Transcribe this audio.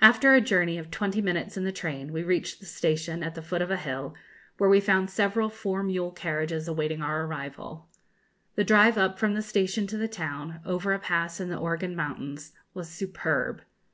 After a journey of twenty minutes in the train, we reached the station, at the foot of a hill, where we found several four mule carriages awaiting our arrival. The drive up from the station to the town, over a pass in the Organ mountains, was superb.